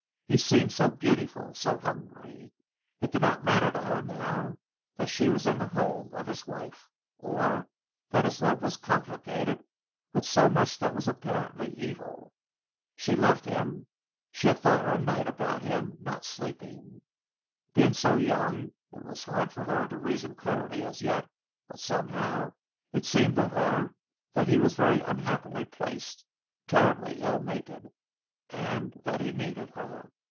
He seemed so beautiful, so hungry! It did not matter to her now that she was in the home of his wife or that his love was complicated with so much that was apparently evil. She loved him. She had thought all night about him, not sleeping. Being so young, it was hard for her to reason clearly as yet, but somehow it seemed to her that he was very unhappily placed, terribly ill mated, and that he needed her.